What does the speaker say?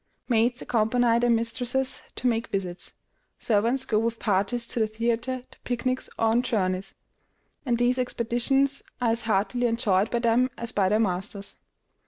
Maids accompany their mistresses to make visits; servants go with parties to the theatre, to picnics, or on journeys, and these expeditions are as heartily enjoyed by them as by their masters.